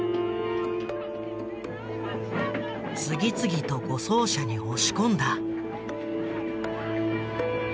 次々と護送車に押し込んだ。